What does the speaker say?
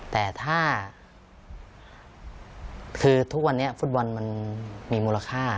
แต่ถ้าคือทุกวันนี้ฟุตบอลมันมีมูลค่า